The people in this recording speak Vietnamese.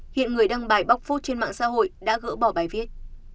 hiện người đăng bài bóc phốot trên mạng xã hội đã gỡ bỏ bài viết